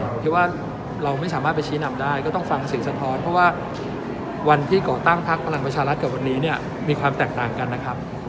ผมคิดว่าเราไม่สามารถไปชี้นำได้ก็ต้องฟังเสียงสะท้อนเพราะว่าวันที่ก่อตั้งพักพลังประชารัฐกับวันนี้เนี่ยมีความแตกต่างกันนะครับ